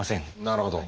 なるほど。